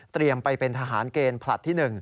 เตรียมไปเป็นทหารเกณฑ์ผลัดที่๑